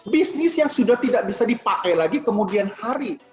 bisnis yang sudah tidak bisa dipakai lagi kemudian hari